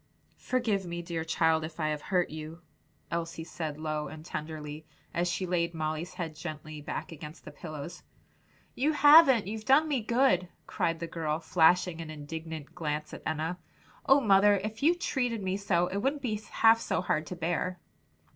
"Forgive me, dear child, if I have hurt you," Elsie said low and tenderly, as she laid Molly's head gently back against the pillows. "You haven't! you've done me good!" cried the girl, flashing an indignant glance at Enna. "Oh, mother, if you treated me so, it wouldn't be half so hard to bear!"